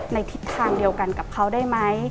ในทิศทางเดียวกันกับเขาได้ไหม